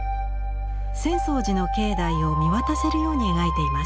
浅草寺の境内を見渡せるように描いています。